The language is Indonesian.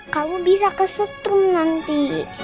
kamu bisa kesetrum nanti